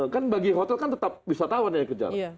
kan bagi hotel kan tetap wisatawan yang kerja